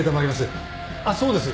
あっそうです。